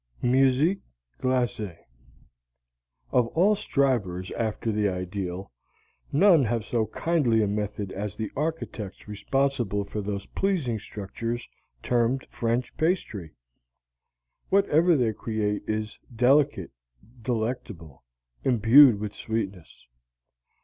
MUSIQUE GLACÉE Of all strivers after the Ideal none have so kindly a method as the architects responsible for those pleasing structures termed French pastry. Whatever they create is delicate, delectable, imbued with sweetness.